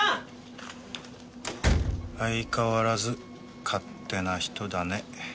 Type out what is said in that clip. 相変わらず勝手な人だね。